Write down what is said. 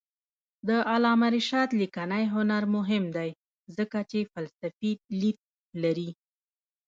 د علامه رشاد لیکنی هنر مهم دی ځکه چې فلسفي لید لري.